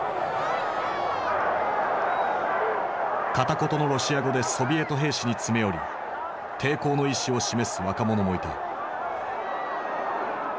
片言のロシア語でソビエト兵士に詰め寄り抵抗の意思を示す若者もいた。